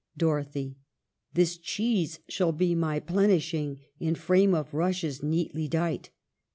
Dorothy. This cheese shall be my plenishing, In frame of rushes neatly dight.